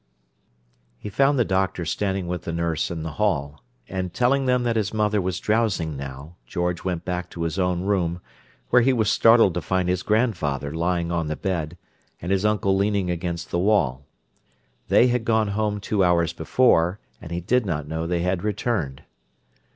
He found the doctor standing with the nurse in the hall; and, telling them that his mother was drowsing now, George went back to his own room, where he was startled to find his grandfather lying on the bed, and his uncle leaning against the wall. They had gone home two hours before, and he did not know they had returned.